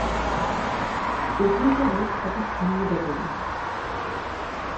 কোথায় যেন একটা শূন্যতা তৈরি হয়।